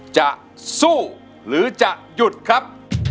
จะสู้หรือจะหยุดครับ